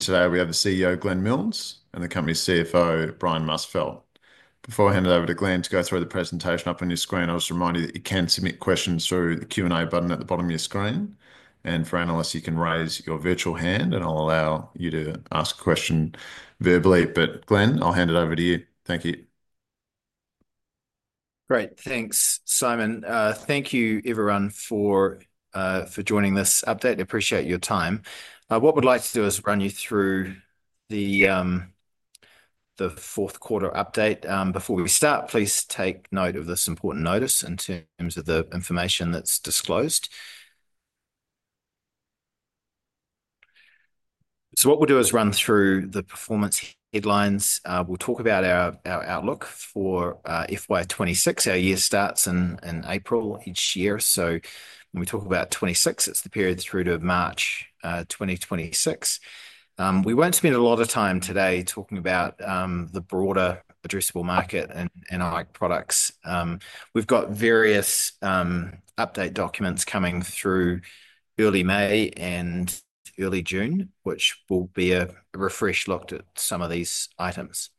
Today we have the CEO, Glenn Milnes, and the company's CFO, Brian Musfeldt. Before I hand it over to Glenn to go through the presentation up on your screen, I'll just remind you that you can submit questions through the Q&A button at the bottom of your screen. For analysts, you can raise your virtual hand, and I'll allow you to ask a question verbally. Glenn, I'll hand it over to you. Thank you. Great. Thanks, Simon. Thank you, everyone, for joining this update. Appreciate your time. What we'd like to do is run you through the fourth quarter update. Before we start, please take note of this important notice in terms of the information that's disclosed. What we'll do is run through the performance headlines. We'll talk about our outlook for FY2026. Our year starts in April each year. When we talk about '2026, it's the period through to March 2026. We won't spend a lot of time today talking about the broader addressable market and our products. We've got various update documents coming through early May and early June, which will be a refresh look at some of these items.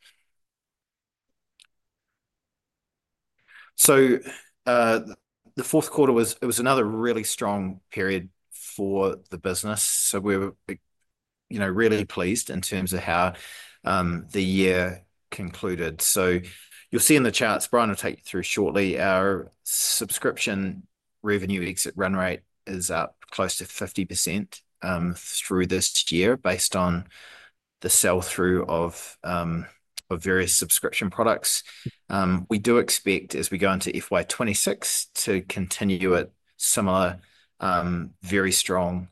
The fourth quarter was another really strong period for the business. We're really pleased in terms of how the year concluded. You will see in the charts, Brian will take you through shortly, our subscription revenue exit run rate is up close to 50% through this year based on the sell-through of various subscription products. We do expect, as we go into FY2026, to continue at similar, very strong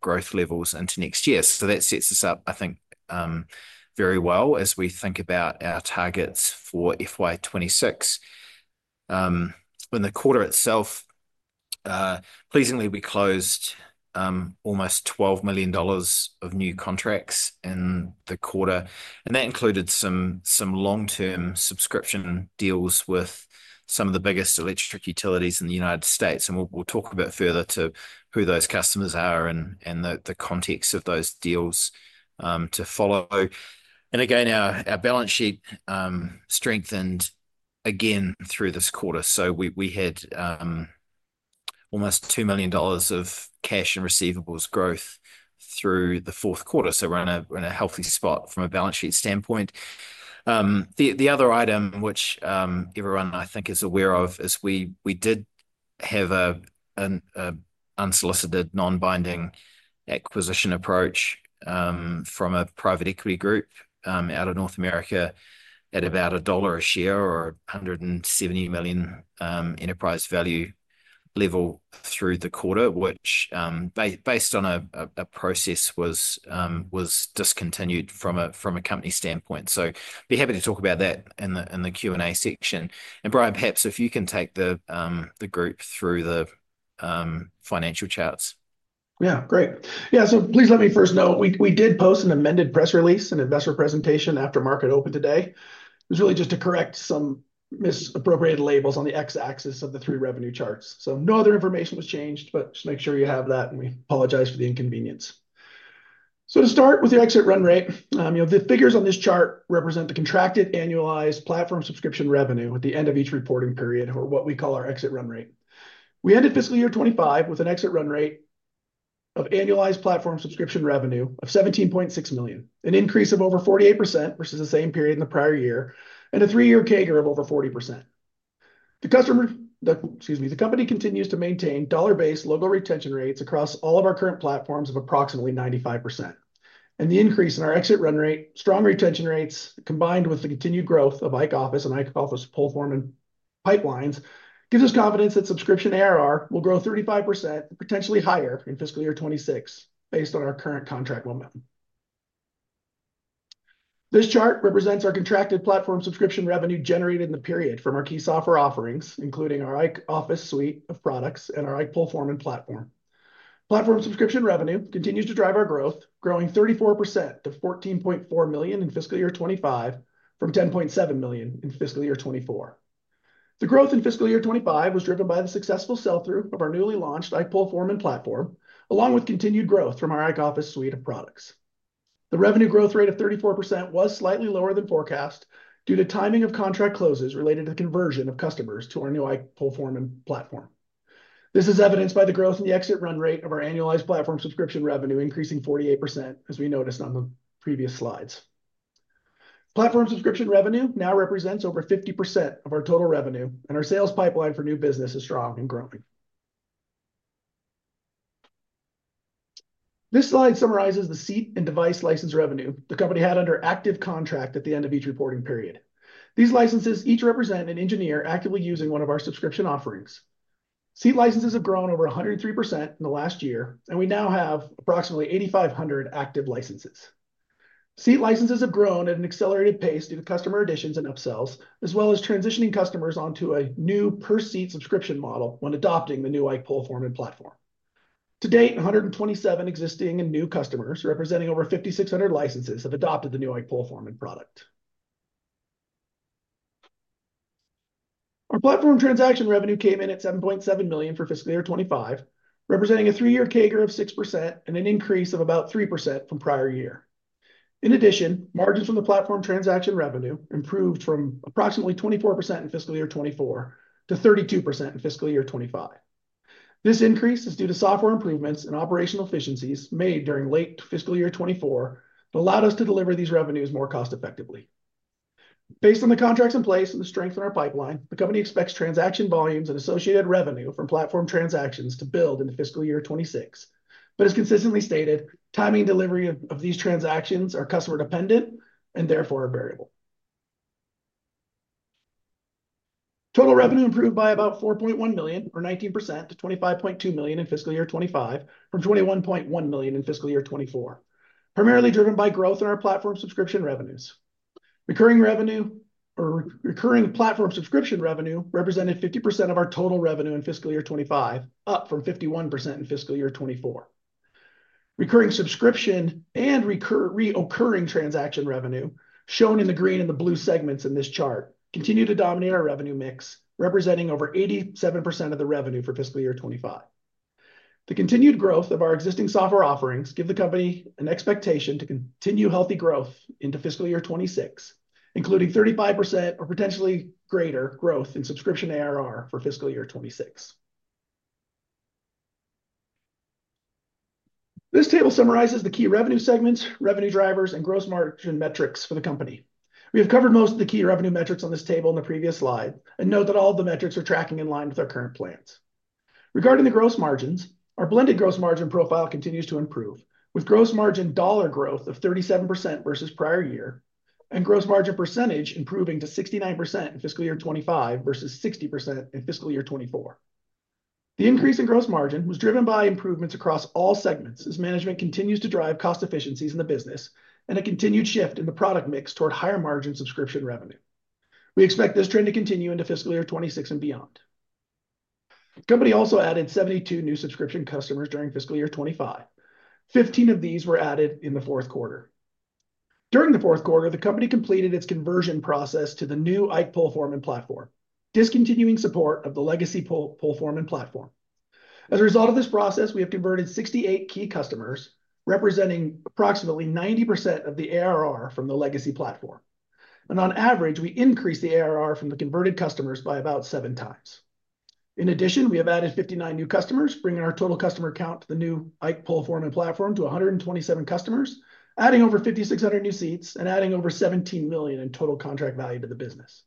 growth levels into next year. That sets us up, I think, very well as we think about our targets for FY2026. In the quarter itself, pleasingly, we closed almost $12 million of new contracts in the quarter. That included some long-term subscription deals with some of the biggest electric utilities in the United States. We will talk a bit further to who those customers are and the context of those deals to follow. Again, our balance sheet strengthened again through this quarter. We had almost $2 million of cash and receivables growth through the fourth quarter. We're in a healthy spot from a balance sheet standpoint. The other item, which everyone, I think, is aware of, is we did have an unsolicited, non-binding acquisition approach from a private equity group out of North America at about $1 a share or $170 million enterprise value level through the quarter, which, based on a process, was discontinued from a company standpoint. Be happy to talk about that in the Q&A section. Brian, perhaps if you can take the group through the financial charts. Yeah, great. Yeah. Please let me first note we did post an amended press release, an investor presentation after market open today. It was really just to correct some misappropriated labels on the X-axis of the three revenue charts. No other information was changed, but just make sure you have that. We apologize for the inconvenience. To start with your exit run rate, the figures on this chart represent the contracted, annualized platform subscription revenue at the end of each reporting period, or what we call our exit run rate. We ended fiscal year 2025 with an exit run rate of annualized platform subscription revenue of $17.6 million, an increase of over 48% versus the same period in the prior year, and a three-year CAGR of over 40%. The company continues to maintain dollar-based logo retention rates across all of our current platforms of approximately 95%. The increase in our exit run rate, strong retention rates, combined with the continued growth of IKE Office and IKE PoleForm and pipelines, gives us confidence that subscription ARR will grow 35% and potentially higher in fiscal year 2026 based on our current contract momentum. This chart represents our contracted platform subscription revenue generated in the period from our key software offerings, including our IKE Office suite of products and our IKE PoleForm and platform. Platform subscription revenue continues to drive our growth, growing 34% to $14.4 million in fiscal year 2025 from $10.7 million in fiscal year 2024. The growth in fiscal year 2025 was driven by the successful sell-through of our newly launched IKE PoleForm and platform, along with continued growth from our IKE Office suite of products. The revenue growth rate of 34% was slightly lower than forecast due to timing of contract closes related to the conversion of customers to our new IKE PoleForm and platform. This is evidenced by the growth in the exit run rate of our annualized platform subscription revenue increasing 48%, as we noticed on the previous slides. Platform subscription revenue now represents over 50% of our total revenue, and our sales pipeline for new business is strong and growing. This slide summarizes the seat and device license revenue the company had under active contract at the end of each reporting period. These licenses each represent an engineer actively using one of our subscription offerings. Seat licenses have grown over 103% in the last year, and we now have approximately 8,500 active licenses. Seat licenses have grown at an accelerated pace due to customer additions and upsells, as well as transitioning customers onto a new per-seat subscription model when adopting the new IKE PoleForm and platform. To date, 127 existing and new customers representing over 5,600 licenses have adopted the new IKE PoleForm and product. Our platform transaction revenue came in at $7.7 million for fiscal year 2025, representing a three-year CAGR of 6% and an increase of about 3% from prior year. In addition, margins from the platform transaction revenue improved from approximately 24% in fiscal year 2024 to 32% in fiscal year 2025. This increase is due to software improvements and operational efficiencies made during late fiscal year 2024 that allowed us to deliver these revenues more cost-effectively. Based on the contracts in place and the strength in our pipeline, the company expects transaction volumes and associated revenue from platform transactions to build into fiscal year 2026. As consistently stated, timing and delivery of these transactions are customer-dependent and therefore variable. Total revenue improved by about $4.1 million, or 19%, to $25.2 million in fiscal year 2025 from $21.1 million in fiscal year 2024, primarily driven by growth in our platform subscription revenues. Recurring platform subscription revenue represented 50% of our total revenue in fiscal year 2025, up from 51% in fiscal year 2024. Recurring subscription and reccurring transaction revenue, shown in the green and the blue segments in this chart, continue to dominate our revenue mix, representing over 87% of the revenue for fiscal year 2025. The continued growth of our existing software offerings gives the company an expectation to continue healthy growth into fiscal year 2026, including 35% or potentially greater growth in subscription ARR for fiscal year 2026. This table summarizes the key revenue segments, revenue drivers, and gross margin metrics for the company. We have covered most of the key revenue metrics on this table in the previous slide, and note that all of the metrics are tracking in line with our current plans. Regarding the gross margins, our blended gross margin profile continues to improve, with gross margin dollar growth of 37% versus prior year, and gross margin percentage improving to 69% in fiscal year 2025 versus 60% in fiscal year 2024. The increase in gross margin was driven by improvements across all segments as management continues to drive cost efficiencies in the business and a continued shift in the product mix toward higher margin subscription revenue. We expect this trend to continue into fiscal year 2026 and beyond. The company also added 72 new subscription customers during fiscal year 2025. Fifteen of these were added in the fourth quarter. During the fourth quarter, the company completed its conversion process to the new IKE PoleForm and platform, discontinuing support of the legacy PoleForm and platform. As a result of this process, we have converted 68 key customers, representing approximately 90% of the ARR from the legacy platform. On average, we increased the ARR from the converted customers by about seven times. In addition, we have added 59 new customers, bringing our total customer count to the new IKE PoleForm and platform to 127 customers, adding over 5,600 new seats and adding over $17 million in total contract value to the business.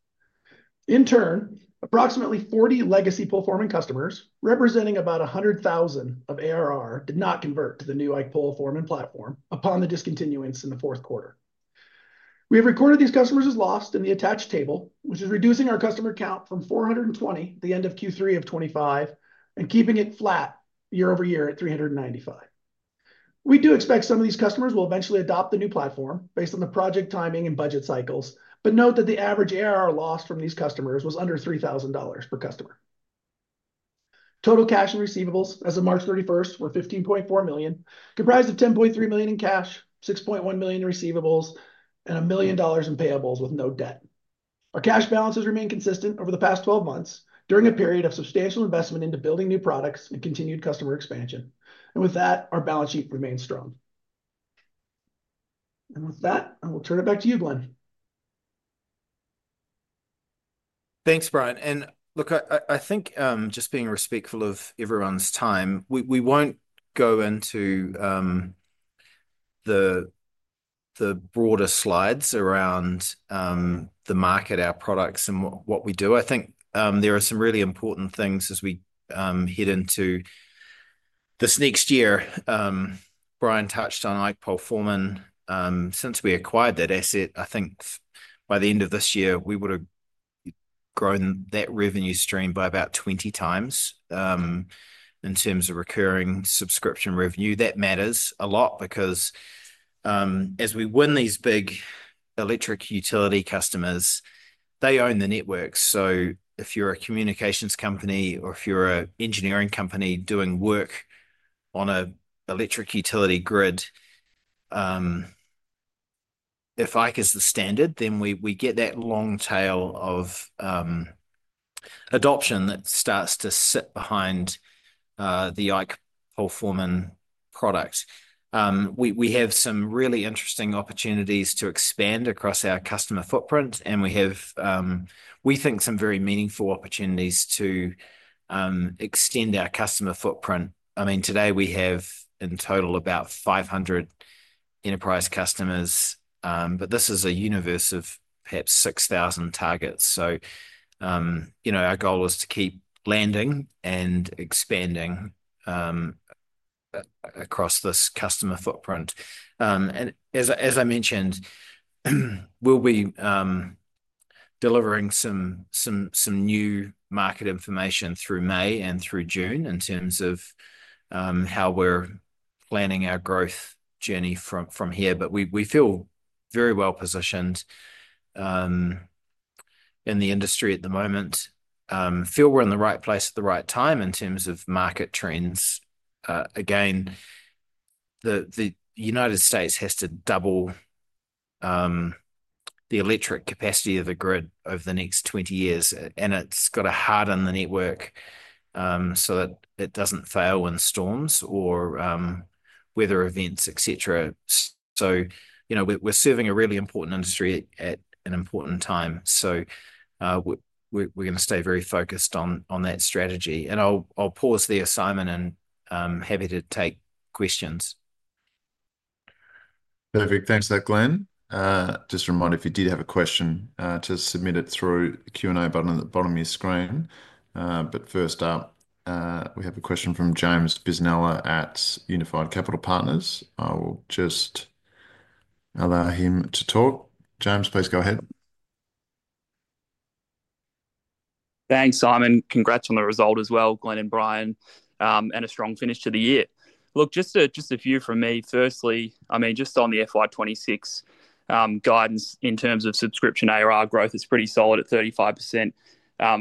In turn, approximately 40 legacy PoleForm and customers, representing about $100,000 of ARR, did not convert to the new IKE PoleForm and platform upon the discontinuance in the fourth quarter. We have recorded these customers as lost in the attached table, which is reducing our customer count from 420 at the end of Q3 of 2025 and keeping it flat year-over-year at 395. We do expect some of these customers will eventually adopt the new platform based on the project timing and budget cycles, but note that the average ARR lost from these customers was under $3,000 per customer. Total cash and receivables as of March 31 were $15.4 million, comprised of $10.3 million in cash, $6.1 million in receivables, and $1 million in payables with no debt. Our cash balances remain consistent over the past 12 months during a period of substantial investment into building new products and continued customer expansion. Our balance sheet remains strong. I will turn it back to you, Glenn. Thanks, Brian. I think just being respectful of everyone's time, we will not go into the broader slides around the market, our products, and what we do. I think there are some really important things as we head into this next year. Brian touched on IKE PoleForm. Since we acquired that asset, I think by the end of this year, we would have grown that revenue stream by about 20 times in terms of recurring subscription revenue. That matters a lot because as we win these big electric utility customers, they own the network. If you are a communications company or if you are an engineering company doing work on an electric utility grid, if IKE is the standard, then we get that long tail of adoption that starts to sit behind the IKE PoleForm and products. We have some really interesting opportunities to expand across our customer footprint, and we think some very meaningful opportunities to extend our customer footprint. I mean, today we have in total about 500 enterprise customers, but this is a universe of perhaps 6,000 targets. Our goal is to keep landing and expanding across this customer footprint. As I mentioned, we'll be delivering some new market information through May and through June in terms of how we're planning our growth journey from here. We feel very well positioned in the industry at the moment. Feel we're in the right place at the right time in terms of market trends. Again, the United States has to double the electric capacity of the grid over the next 20 years, and it's got to harden the network so that it doesn't fail when storms or weather events, etc. We're serving a really important industry at an important time. We're going to stay very focused on that strategy. I'll pause there, Simon, and happy to take questions. Perfect. Thanks for that, Glenn. Just a reminder, if you did have a question, to submit it through the Q&A button at the bottom of your screen. First up, we have a question from James Bisinella at Unified Capital Partners. I will just allow him to talk. James, please go ahead. Thanks, Simon. Congrats on the result as well, Glenn and Brian, and a strong finish to the year. Look, just a few from me. Firstly, I mean, just on the FY2026 guidance in terms of subscription ARR growth, it's pretty solid at 35%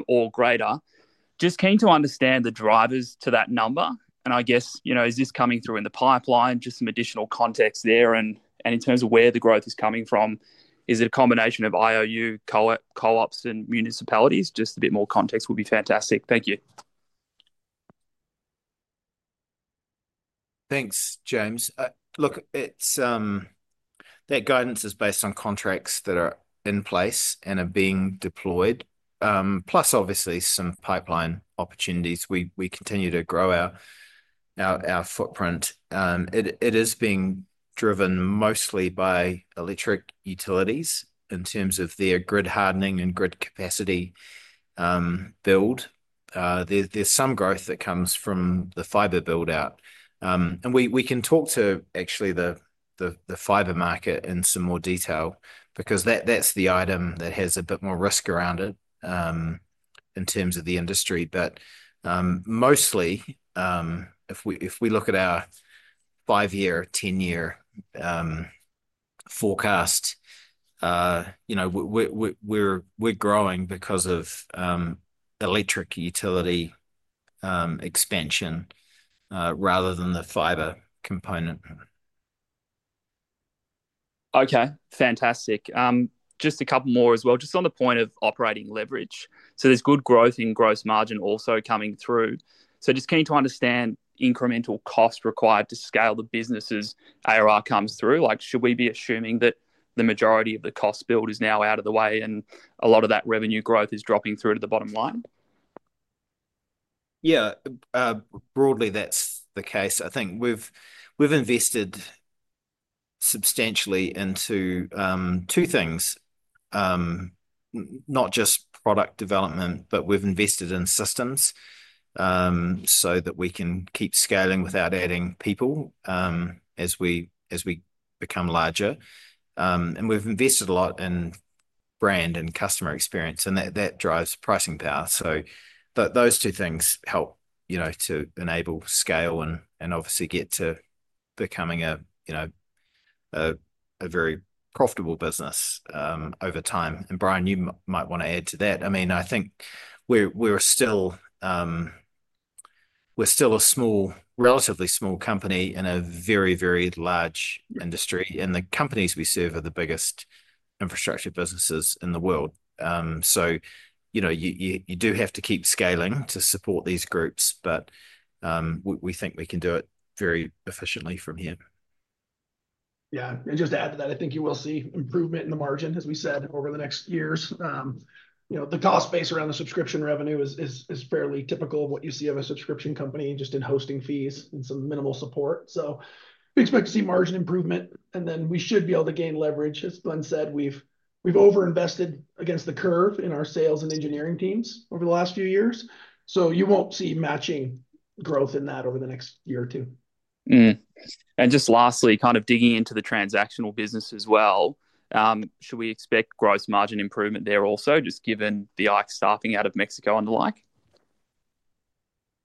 or greater. Just keen to understand the drivers to that number. I guess, is this coming through in the pipeline? Just some additional context there. In terms of where the growth is coming from, is it a combination of IOU, co-ops, and municipalities? Just a bit more context would be fantastic. Thank you. Thanks, James. Look, that guidance is based on contracts that are in place and are being deployed, plus obviously some pipeline opportunities. We continue to grow our footprint. It is being driven mostly by electric utilities in terms of their grid hardening and grid capacity build. There is some growth that comes from the fiber build-out. We can talk to actually the fiber market in some more detail because that is the item that has a bit more risk around it in terms of the industry. Mostly, if we look at our five-year, ten-year forecast, we are growing because of electric utility expansion rather than the fiber component. Okay, fantastic. Just a couple more as well. Just on the point of operating leverage. There is good growth in gross margin also coming through. Just keen to understand incremental cost required to scale the business as ARR comes through. Should we be assuming that the majority of the cost build is now out of the way and a lot of that revenue growth is dropping through to the bottom line? Yeah, broadly, that's the case. I think we've invested substantially into two things, not just product development, but we've invested in systems so that we can keep scaling without adding people as we become larger. We've invested a lot in brand and customer experience, and that drives pricing power. Those two things help to enable scale and obviously get to becoming a very profitable business over time. Brian, you might want to add to that. I mean, I think we're still a relatively small company in a very, very large industry, and the companies we serve are the biggest infrastructure businesses in the world. You do have to keep scaling to support these groups, but we think we can do it very efficiently from here. Yeah, and just to add to that, I think you will see improvement in the margin, as we said, over the next years. The cost base around the subscription revenue is fairly typical of what you see of a subscription company, just in hosting fees and some minimal support. We expect to see margin improvement, and then we should be able to gain leverage. As Glenn said, we've overinvested against the curve in our sales and engineering teams over the last few years. You won't see matching growth in that over the next year or two. Just lastly, kind of digging into the transactional business as well, should we expect gross margin improvement there also, just given the IKE staffing out of Mexico and the like?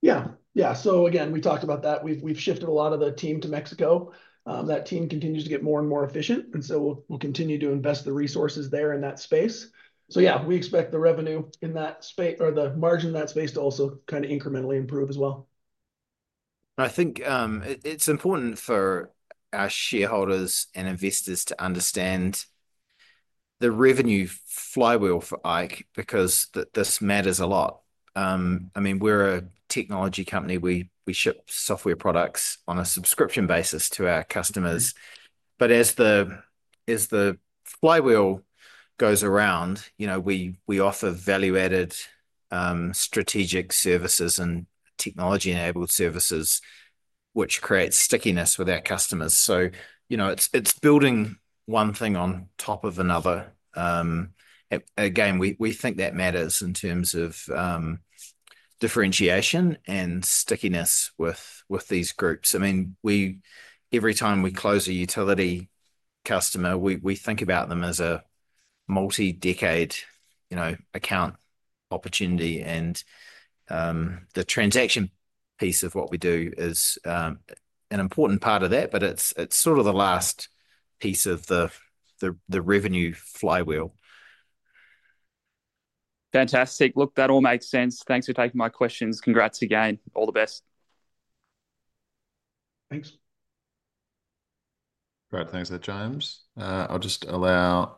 Yeah, yeah. Again, we talked about that. We've shifted a lot of the team to Mexico. That team continues to get more and more efficient, and we'll continue to invest the resources there in that space. Yeah, we expect the revenue in that space or the margin in that space to also kind of incrementally improve as well. I think it's important for our shareholders and investors to understand the revenue flywheel for IKE because this matters a lot. I mean, we're a technology company. We ship software products on a subscription basis to our customers. As the flywheel goes around, we offer value-added strategic services and technology-enabled services, which creates stickiness with our customers. It's building one thing on top of another. Again, we think that matters in terms of differentiation and stickiness with these groups. I mean, every time we close a utility customer, we think about them as a multi-decade account opportunity. The transaction piece of what we do is an important part of that, but it's sort of the last piece of the revenue flywheel. Fantastic. Look, that all makes sense. Thanks for taking my questions. Congrats again. All the best. Thanks. Right, thanks there, James. I'll just allow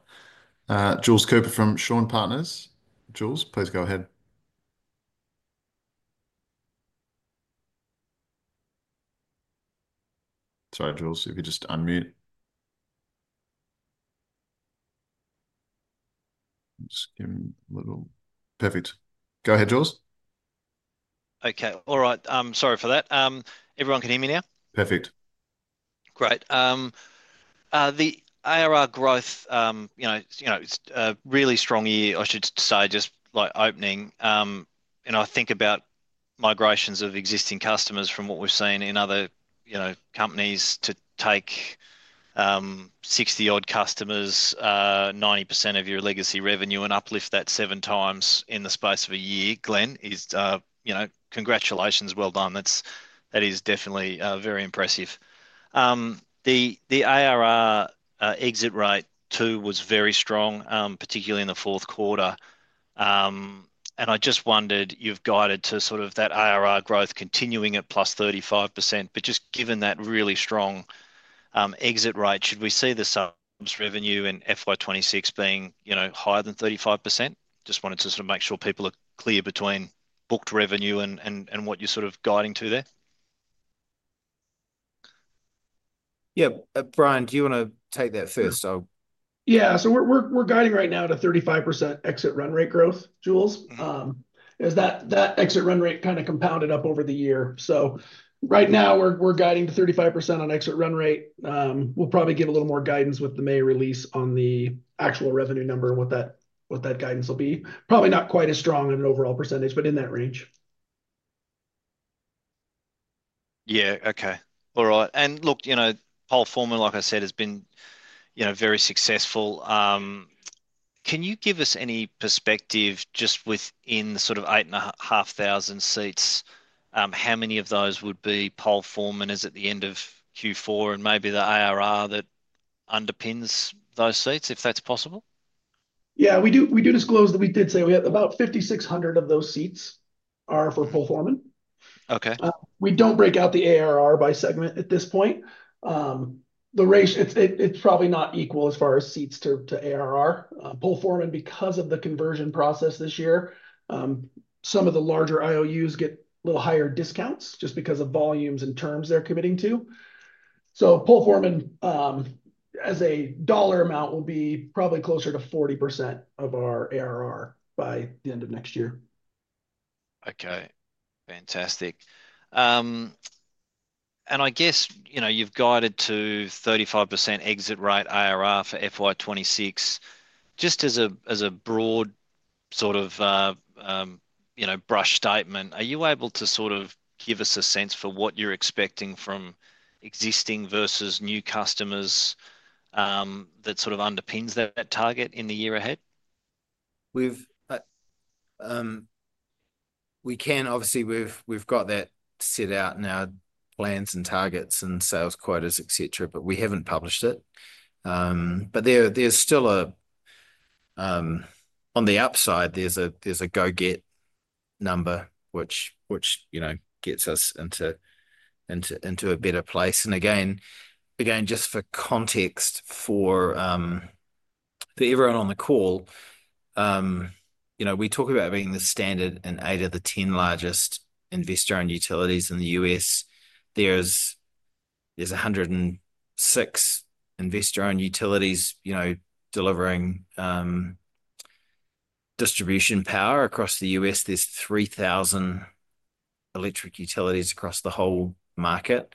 Jules Cooper from Shawn Partners. Jules, please go ahead. Sorry, Jules, if you just unmute. Just give him a little. Perfect. Go ahead, Jules. Okay, all right. Sorry for that. Everyone can hear me now? Perfect. Great. The ARR growth, really strong year, I should say, just opening. I think about migrations of existing customers from what we've seen in other companies to take 60-odd customers, 90% of your legacy revenue, and uplift that seven times in the space of a year. Glenn, congratulations. Well done. That is definitely very impressive. The ARR exit rate too was very strong, particularly in the fourth quarter. I just wondered, you've guided to sort of that ARR growth continuing at +35%, but just given that really strong exit rate, should we see the subs revenue in FY2026 being higher than 35%? I just wanted to sort of make sure people are clear between booked revenue and what you're sort of guiding to there. Yeah, Brian, do you want to take that first? Yeah, so we're guiding right now to 35% exit run rate growth, Jules. That exit run rate kind of compounded up over the year. Right now, we're guiding to 35% on exit run rate. We'll probably give a little more guidance with the May release on the actual revenue number and what that guidance will be. Probably not quite as strong on an overall percentage, but in that range. Yeah, okay. All right. Look, PoleForm, like I said, has been very successful. Can you give us any perspective just within the sort of eight and a half thousand seats, how many of those would be PoleForm and is at the end of Q4 and maybe the ARR that underpins those seats, if that's possible? Yeah, we do disclose that. We did say about 5,600 of those seats are for PoleForm. We do not break out the ARR by segment at this point. It is probably not equal as far as seats to ARR. PoleForm, because of the conversion process this year, some of the larger IOUs get a little higher discounts just because of volumes and terms they are committing to. PoleForm, as a dollar amount, will be probably closer to 40% of our ARR by the end of next year. Okay, fantastic. I guess you've guided to 35% exit rate ARR for FY2026. Just as a broad sort of brush statement, are you able to sort of give us a sense for what you're expecting from existing versus new customers that sort of underpins that target in the year ahead? We can. Obviously, we've got that set out in our plans and targets and sales quotas, etc., but we haven't published it. There's still, on the upside, a go-get number which gets us into a better place. Again, just for context for everyone on the call, we talk about being the standard in eight of the ten largest investor-owned utilities in the U.S. There are 106 investor-owned utilities delivering distribution power across the U.S. There are 3,000 electric utilities across the whole market.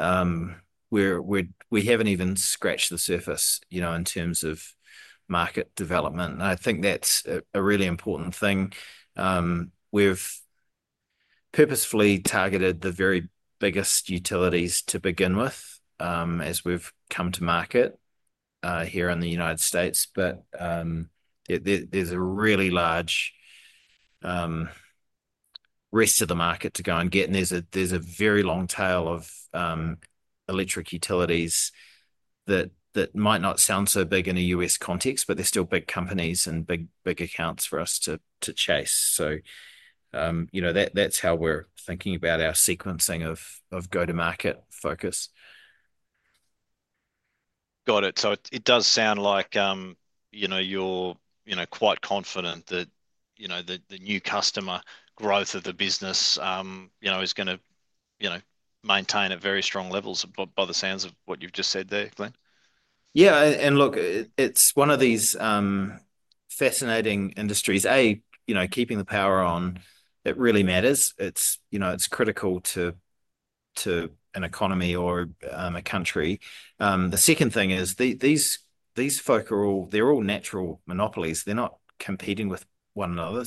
We haven't even scratched the surface in terms of market development. I think that's a really important thing. We've purposefully targeted the very biggest utilities to begin with as we've come to market here in the United States. There's a really large rest of the market to go and get. There is a very long tail of electric utilities that might not sound so big in a U.S. context, but they are still big companies and big accounts for us to chase. That is how we are thinking about our sequencing of go-to-market focus. Got it. It does sound like you're quite confident that the new customer growth of the business is going to maintain at very strong levels by the sounds of what you've just said there, Glenn. Yeah. Look, it's one of these fascinating industries. A, keeping the power on, it really matters. It's critical to an economy or a country. The second thing is these folk, they're all natural monopolies. They're not competing with one another.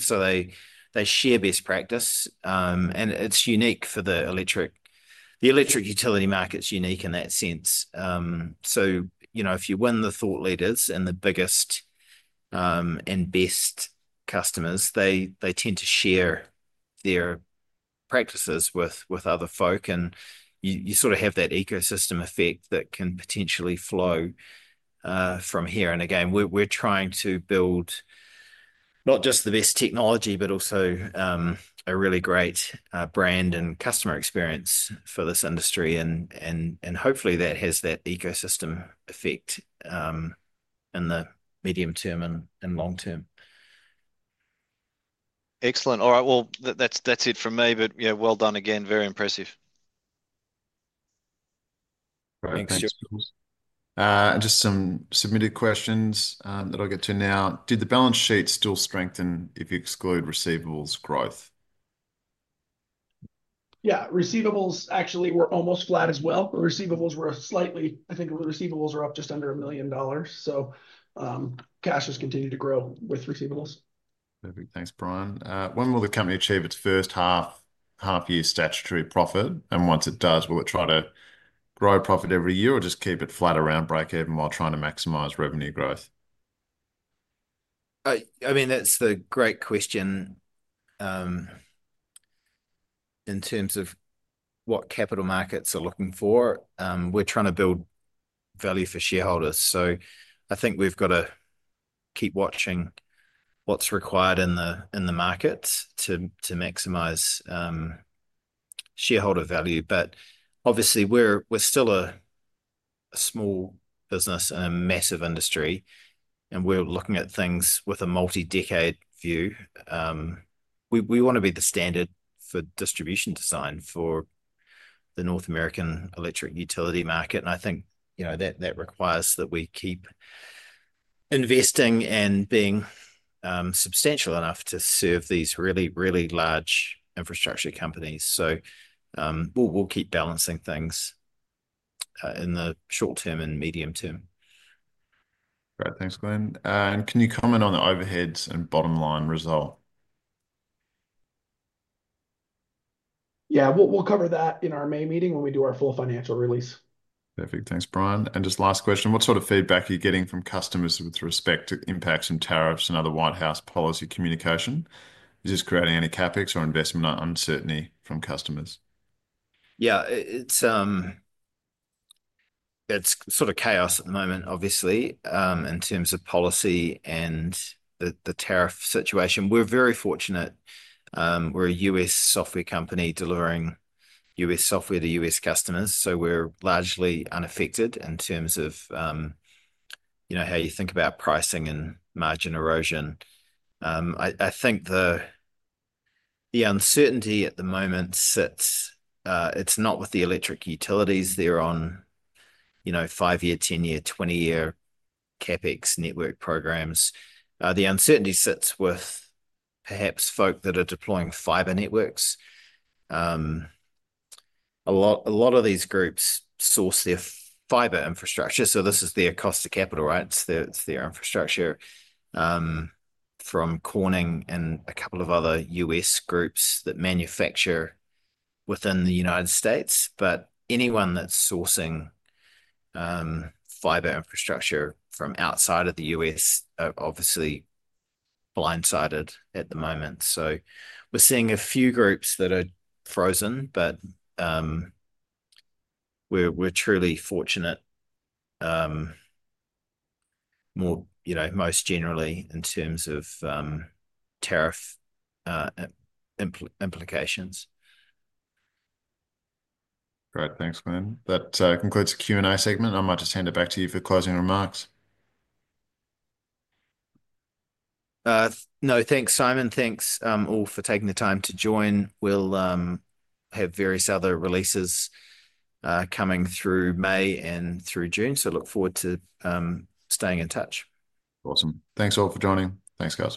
They share best practice. It's unique for the electric utility markets, unique in that sense. If you win the thought leaders and the biggest and best customers, they tend to share their practices with other folk. You sort of have that ecosystem effect that can potentially flow from here. We're trying to build not just the best technology, but also a really great brand and customer experience for this industry. Hopefully, that has that ecosystem effect in the medium term and long term. Excellent. All right. That is it from me. Yeah, well done again. Very impressive. Thanks, Jules. Just some submitted questions that I'll get to now. Did the balance sheet still strengthen if you exclude receivables growth? Yeah, receivables actually were almost flat as well. The receivables were slightly, I think the receivables are up just under $1 million. Cash has continued to grow with receivables. Perfect. Thanks, Brian. When will the company achieve its first half-year statutory profit? Once it does, will it try to grow profit every year or just keep it flat around break-even while trying to maximize revenue growth? I mean, that's the great question. In terms of what capital markets are looking for, we're trying to build value for shareholders. I think we've got to keep watching what's required in the markets to maximize shareholder value. Obviously, we're still a small business and a massive industry, and we're looking at things with a multi-decade view. We want to be the standard for distribution design for the North American electric utility market. I think that requires that we keep investing and being substantial enough to serve these really, really large infrastructure companies. We'll keep balancing things in the short term and medium term. Great. Thanks, Glenn. Can you comment on the overheads and bottom line result? Yeah, we'll cover that in our May meeting when we do our full financial release. Perfect. Thanks, Brian. Just last question. What sort of feedback are you getting from customers with respect to impacts and tariffs and other White House policy communication? Is this creating any CapEx or investment uncertainty from customers? Yeah, it's sort of chaos at the moment, obviously, in terms of policy and the tariff situation. We're very fortunate. We're a US software company delivering US software to US customers. So we're largely unaffected in terms of how you think about pricing and margin erosion. I think the uncertainty at the moment sits, it's not with the electric utilities. They're on five-year, ten-year, twenty-year CapEx network programs. The uncertainty sits with perhaps folk that are deploying fiber networks. A lot of these groups source their fiber infrastructure. So this is their cost of capital, right? It's their infrastructure from Corning and a couple of other US groups that manufacture within the United States. But anyone that's sourcing fiber infrastructure from outside of the US, obviously, blindsided at the moment. We're seeing a few groups that are frozen, but we're truly fortunate most generally in terms of tariff implications. Great. Thanks, Glenn. That concludes the Q&A segment. I might just hand it back to you for closing remarks. No, thanks, Simon. Thanks all for taking the time to join. We will have various other releases coming through May and through June. Look forward to staying in touch. Awesome. Thanks all for joining. Thanks, guys.